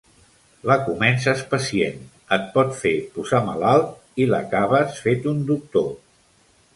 La comences pacient, et pot fer posar malalt i l'acabes fet un doctor.